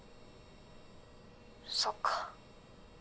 そっか。